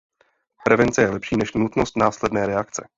Prevence je lepší než nutnost následné reakce.